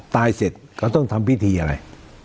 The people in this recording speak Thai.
ตายเสร็จก็ต้องทำพิธีอะไร